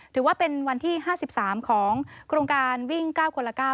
ถือว่าเป็นวันที่๕๓ของโครงการวิ่ง๙คนละ๙